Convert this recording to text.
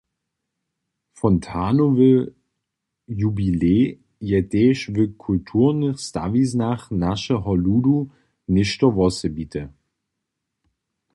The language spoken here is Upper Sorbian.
Fontanowy jubilej je tež w kulturnych stawiznach našeho ludu něšto wosebite.